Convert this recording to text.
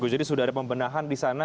jadi sudah ada pemenahan di sana